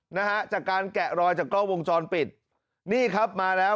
นะฮะจากการแกะรอยจากกล้องวงจรปิดนี่ครับมาแล้ว